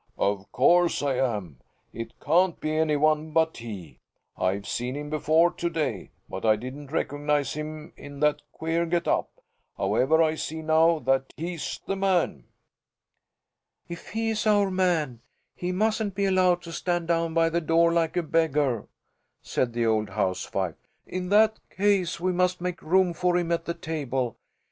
"Of course I am. It can't be any one but he. I've seen him before to day, but I didn't recognize him in that queer get up. However I see now that he's the man." "If he is our man, he mustn't be allowed to stand down by the door, like a beggar," said the old housewife. "In that case, we must make room for him at the table.